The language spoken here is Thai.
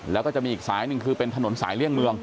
แล้วก็จะมีอีกสายหนึ่งคือเป็นถนนสายเลี่ยงเมือง